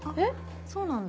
そうなんだ。